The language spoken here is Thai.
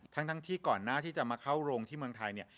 ทั้งที่ก่อนหน้าที่จะมาเข้าโรงที่เมืองไทยเนี่ย